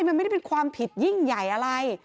มันไม่ได้เป็นความผิดยิ่งใหญ่อะไร